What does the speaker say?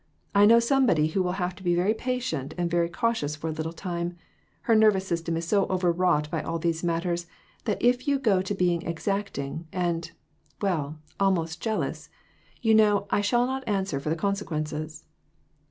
I know somebody who will have to be very patient and very cautious for a little time ; her nervous system is so overwrought by all these matters that if you go to being exacting, and, well almost jealous, you know, I shall not answer for the consequences."